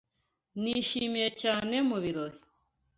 Nishimiye cyane mu birori.